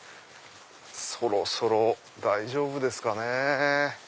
そろそろ大丈夫ですかね。